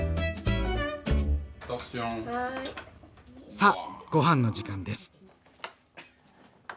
さあごはんの時間です。